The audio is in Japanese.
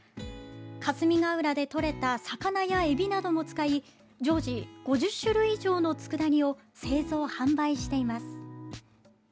霞ヶ浦で取れた魚やエビなども使い常時５０種類以上のつくだ煮を製造・販売しています。